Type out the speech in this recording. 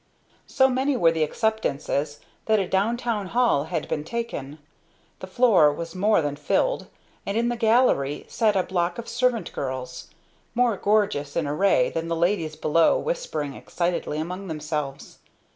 So many were the acceptances that a downtown hall had been taken; the floor was more than filled, and in the gallery sat a block of servant girls, more gorgeous in array than the ladies below whispering excitedly among themselves.